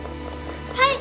はい！